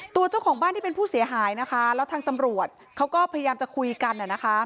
ตัวเจ้าของบ้านที่เป็นผู้เสียหายนะคะแล้วทางตำรวจเขาก็พยายามจะคุยกัน